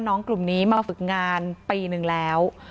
น้องกลุ่มนี้มาฝึกงานปีนึงแล้ว